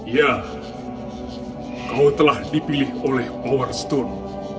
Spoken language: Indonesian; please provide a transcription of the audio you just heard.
ya kau telah dipilih oleh power stone